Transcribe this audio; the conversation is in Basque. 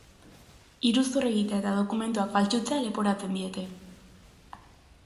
Iruzur egitea eta dokumentuak faltsutzea leporatzen diete.